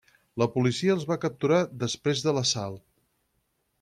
La policia els va capturar després de l'assalt.